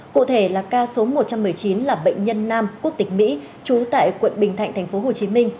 cụ thể là ca số một trăm một mươi chín là bệnh nhân nam quốc tịch mỹ trú tại quận bình thạnh tp hcm